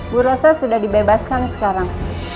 bu rosa sudah dibebaskan sekarang